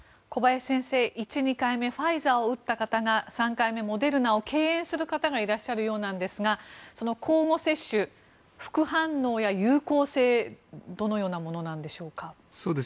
小林先生、１、２回目ファイザーを打った方が３回目、モデルナを敬遠する方がいらっしゃるようなんですが交互接種、副反応や有効性どのようなものでしょうか？